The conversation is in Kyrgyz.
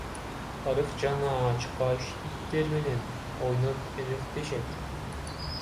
Арык жана ачка иттер менен ойноп эрмектешет.